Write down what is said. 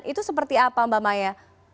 itu seperti apa mbak maya